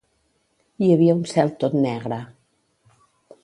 Hi havia un cel tot negre.